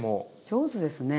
上手ですね。